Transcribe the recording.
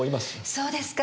そうですか。